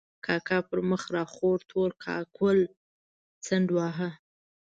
کاکا پر مخ را خور تور کاکل څنډ واهه.